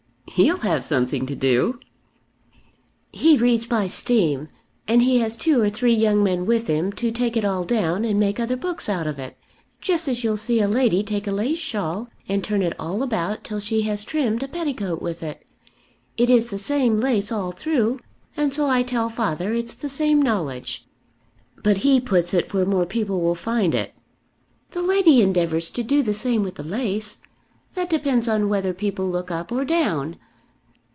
"He'll have something to do." "He reads by steam, and he has two or three young men with him to take it all down and make other books out of it; just as you'll see a lady take a lace shawl and turn it all about till she has trimmed a petticoat with it. It is the same lace all through, and so I tell father it's the same knowledge." "But he puts it where more people will find it." "The lady endeavours to do the same with the lace. That depends on whether people look up or down.